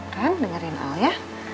kan dengerin allah ya